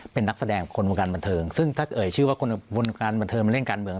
เป็นนักแสดงคนวงการบันเทิงซึ่งถ้าเอ่ยชื่อว่าคนวงการบันเทิงมาเล่นการเมือง